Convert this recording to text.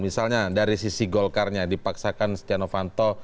misalnya dari sisi golkar nya dipaksakan stiano fanto